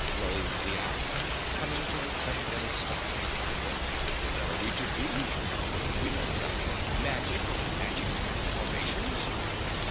lowed the Ox, coming to a trembling stop beside her. "What are we to do? We know nothing of magic or magic transformations!"